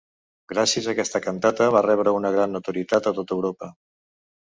Gràcies a aquesta cantata va rebre una gran notorietat a tota Europa.